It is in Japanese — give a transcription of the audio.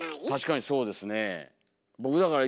確かにそうですね。